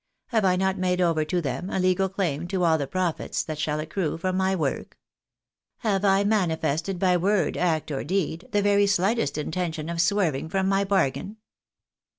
tlave I not made over to them a legal claim to all the profits that shall accrue from my work ? Have I manifested by word, act, or deed, the very slightest intention of swerving from my bargain